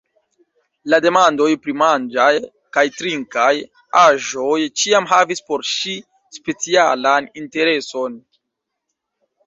La demandoj pri manĝaj kaj trinkaj aĵoj ĉiam havis por ŝi specialan intereson.